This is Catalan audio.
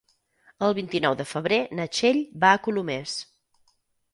El vint-i-nou de febrer na Txell va a Colomers.